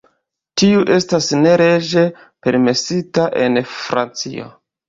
Tiu estas ne leĝe permesita en Francio.